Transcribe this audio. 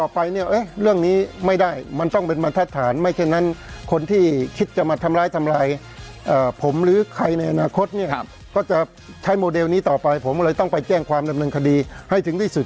เป็นวันนี้ต่อไปผมเลยต้องไปแจ้งความดำเนินคดีให้ถึงที่สุด